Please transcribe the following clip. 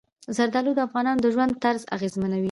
زردالو د افغانانو د ژوند طرز اغېزمنوي.